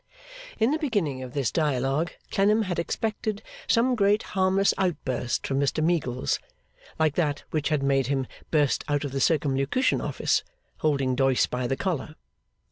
In the beginning of this dialogue, Clennam had expected some great harmless outburst from Mr Meagles, like that which had made him burst out of the Circumlocution Office, holding Doyce by the collar.